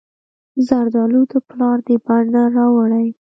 زردالو د پلار د بڼ نه راوړي.